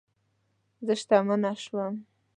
زه شتمنه شوم